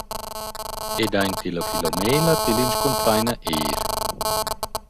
Ed aint illa Philomela til inscuntraina eir.